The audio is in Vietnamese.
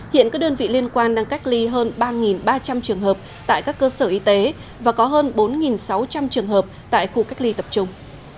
hiện các đơn vị liên quan đang cách ly hơn ba ba trăm linh trường hợp tại các cơ sở y tế và có hơn bốn sáu trăm linh trường hợp tại khu cách ly tập trung